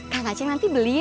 kang aceh nanti beli